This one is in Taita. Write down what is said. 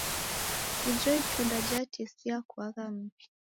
Ijo Itunda jatesia kuagha m'mbi.